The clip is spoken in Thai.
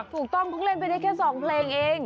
ถูกต้องเขาเล่นไปได้แค่สองเพลงเอง